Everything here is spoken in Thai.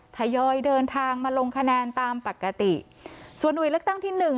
ทยอยเดินทางมาลงคะแนนตามปกติส่วนหน่วยเลือกตั้งที่หนึ่ง